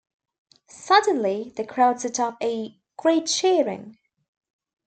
Suddenly the crowd set up a great cheering.